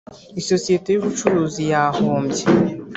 isosiyete y ubucuruzi yahombye